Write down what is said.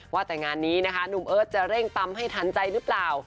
ว่าแต่งานนี้นะคะหนุ่มเอิร์ทจะเร่งปั๊มให้ทันใจหรือเปล่า